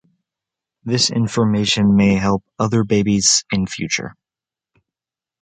This information may help other babies in future.